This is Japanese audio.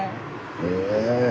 へえ。